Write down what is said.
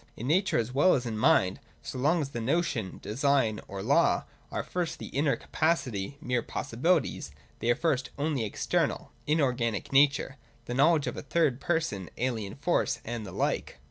— In Nature as well as in Mind, so long as the notion, design, or law are at first the inner capacity, mere possibilities, they are first only an external, inorganic nature, the knowledge of a third person, alien force, and the like.